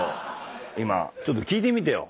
⁉ちょっと聞いてみてよ。